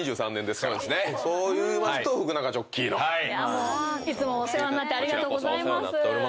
もういつもお世話になってありがとうございます。